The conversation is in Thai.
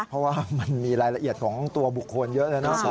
เพราะว่ามันมีรายละเอียดของตัวบุคคลเยอะแล้วนะ